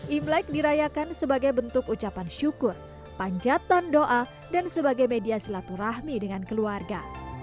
imlek dirayakan sebagai bentuk ucapan syukur panjatan doa dan sebagai media silaturahmi dengan keluarga